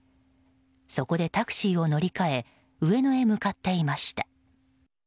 そこでタクシーを乗り換え上野へ向かっていました。